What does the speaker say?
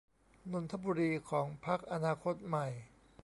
นนทบุรีของพรรคอนาคตใหม่